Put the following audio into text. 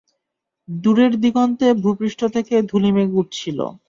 দূরের দিগন্তে ভূপৃষ্ঠ থেকে ধূলি মেঘ উঠছিল।